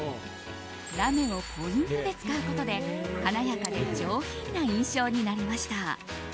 ラメをポイントで使うことで華やかで上品な印象になりました。